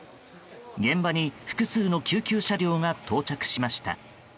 現場に複数の救急車両が到着しました。